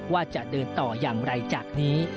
ว่าจะเดินต่ออย่างไรจากนี้